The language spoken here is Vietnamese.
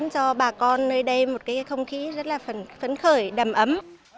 còn nơi đây một cái không khí rất là phấn khởi đầm ấm